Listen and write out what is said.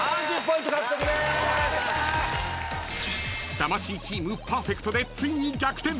［魂チームパーフェクトでついに逆転］